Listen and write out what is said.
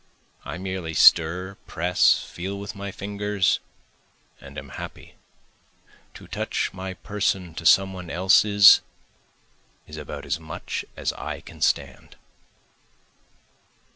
I merely stir, press, feel with my fingers, and am happy, To touch my person to some one else's is about as much as I can stand.